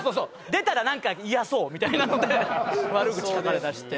出たらなんか嫌そうみたいなので悪口書かれだして。